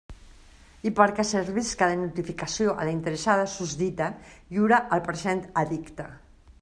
I perquè servisca de notificació a la interessada susdita, lliure el present edicte.